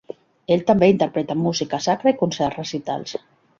Ell també interpreta música sacra i concerts recitals.